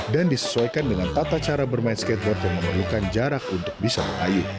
disesuaikan dengan tata cara bermain skateboard yang memerlukan jarak untuk bisa mengayuh